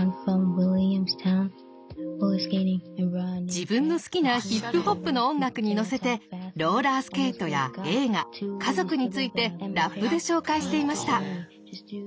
自分の好きなヒップホップの音楽にのせてローラースケートや映画家族についてラップで紹介していました。